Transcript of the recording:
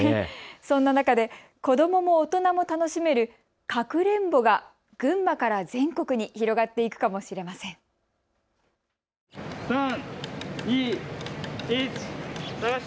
そんな中で子どもも大人も楽しめるかくれんぼが群馬から全国に広がっていくかもしれません。